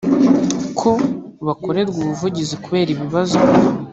ko bakorerwa ubuvugizi kubera ibibazo